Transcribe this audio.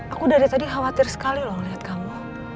aku dari tadi khawatir sekali loh ngeliat kamu